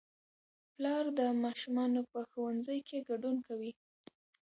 پلار د ماشومانو په ښوونځي کې ګډون کوي